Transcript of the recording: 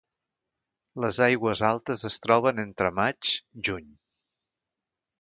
Les aigües altes es troben entre maig-juny.